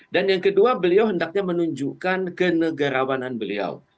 yang kedua beliau hendaknya menunjukkan kenegarawanan beliau